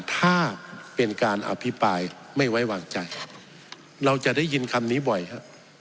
ถ้าเป็นการอภิปรายไม่ไว้วางใจเราจะได้ยินคำนี้บ่อยฮะ